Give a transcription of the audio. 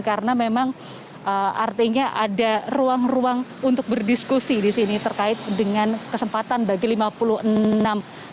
karena memang artinya ada ruang ruang untuk berdiskusi disini terkait dengan kesempatan bagi lima puluh enam pegawai